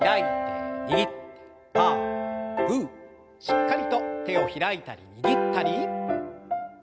しっかりと手を開いたり握ったり。